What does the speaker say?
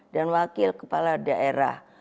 dan wakil kepala daerah